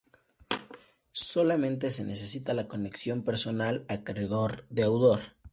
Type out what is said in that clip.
Solamente se necesita la conexión personal acreedor-deudor.